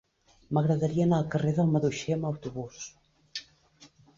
M'agradaria anar al carrer del Maduixer amb autobús.